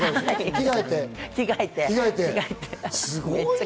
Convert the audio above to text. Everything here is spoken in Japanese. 着替えて。